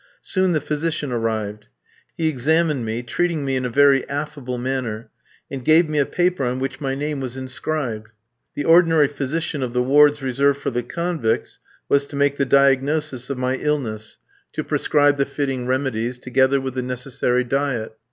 Soon the physician arrived. He examined me, treating me in a very affable manner, and gave me a paper on which my name was inscribed. The ordinary physician of the wards reserved for the convicts was to make the diagnosis of my illness, to prescribe the fitting remedies, together with the necessary diet.